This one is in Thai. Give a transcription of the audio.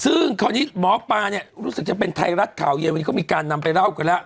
ซึ่งคราวนี้หมอปลาเนี่ยรู้สึกจะเป็นไทยรัฐข่าวเย็นวันนี้เขามีการนำไปเล่ากันแล้ว